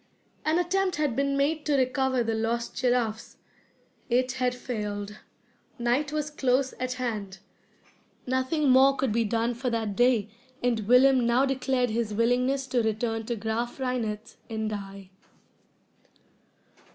An attempt had been made to recover the lost giraffes. It had failed. Night was close at hand. Nothing more could be done for that day, and Willem now declared his willingness to return to Graaf Reinet and die.